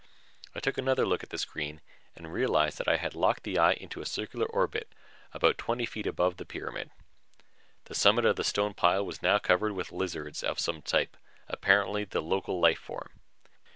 I took another look at the screen and realized that I had locked the eye into a circular orbit about twenty feet above the pyramid. The summit of the stone pile was now covered with lizards of some type, apparently the local life form.